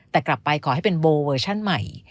แต่กลับไปขอให้เป็นโบเวอร์ชั่นใหม่